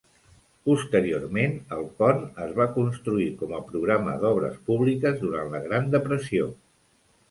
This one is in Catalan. Posteriorment el pont es va construir com a programa d'obres públiques durant la Gran Depressió.